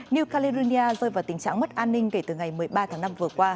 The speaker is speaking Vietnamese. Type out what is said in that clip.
new caledonia rơi vào tình trạng mất an ninh kể từ ngày một mươi ba tháng năm vừa qua